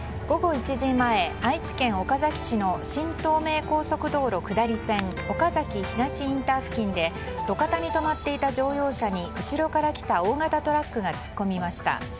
午後１時前、愛知県岡崎市の新東名高速道路下り線岡崎東インター付近で路肩に止まっていた乗用車に後ろから来た大型トラックが突っ込みました。